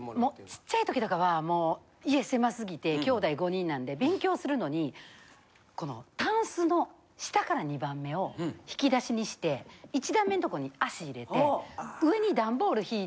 ちっちゃい時とかはもう家狭すぎてきょうだい５人なんで勉強するのにこのタンスの下から２番目を引き出しにして１段目のとこに足入れて上に段ボールひいて。